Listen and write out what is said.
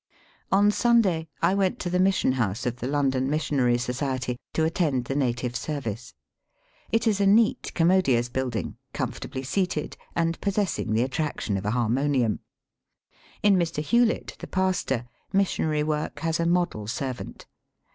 On Sunday I went to the mission house of Digitized by VjOOQIC BATING IN THE GANGES. 227 the London Missionary Society, to attend the native service. It is a neat, commodious building, comfortably seated and possessing the attraction of a harmonium. In Mr. Hewlett, the pastor, missionary work has a model servant.